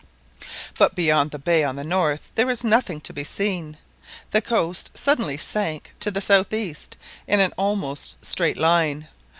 But beyond the bay on the north, there was nothing to be seen. The coast suddenly sank to the south east in an almost straight line.